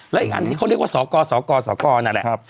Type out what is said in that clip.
และอีกอันที่เขาเรียกว่าสกสกสกนั่นแหละ